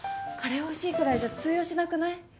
カレーおいしいくらいじゃ通用しなくない？